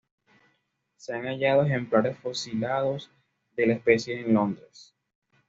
Se han hallado ejemplares fosilizados de la especie en Londres.